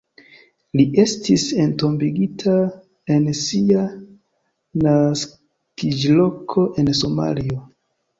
Li estis entombigita en sia naskiĝloko en Somalio.